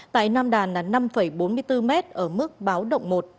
tại nam đàn là năm bốn mươi bốn m ở mức báo động một